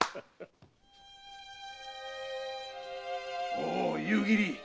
おお夕霧